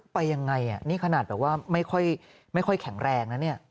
ปล่อยอย่างไรนี่ขนาดแบบว่าไม่ค่อยแข็งแรงนะ